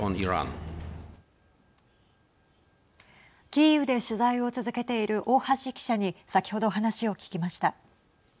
キーウで取材を続けている大橋記者に先ほど、話を聞きました。